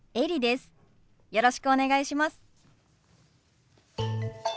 よろしくお願いします。